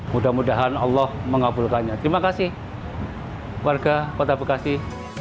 mudah mudahan allah mengabulkannya terima kasih warga kota bekasi